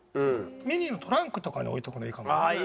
ミニのトランクとかに置いとくのいいかもしれない。